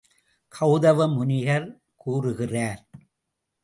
கெளத முனிவர் கூறுகிறார்.